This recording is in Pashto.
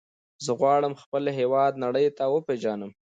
زه غواړم خپل هېواد نړۍ ته وپیژنم.